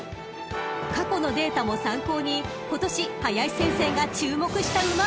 ［過去のデータも参考に今年林先生が注目した馬は］